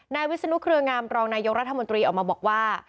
วิศนุเครืองามรองนายกรัฐมนตรีออกมาบอกว่า